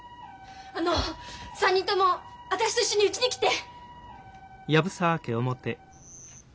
あの３人とも私と一緒にうちに来て！